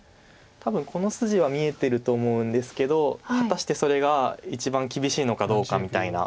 多分この筋は見えてると思うんですけど果たしてそれが一番厳しいのかどうかみたいな。